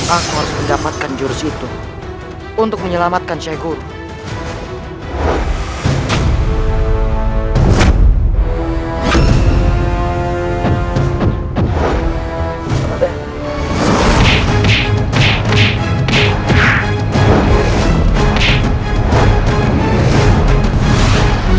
aku akan kembali ke jalan yang benar